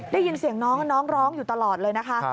ได้ยินเสียงน้องน้องร้องอยู่ตลอดเลยนะคะ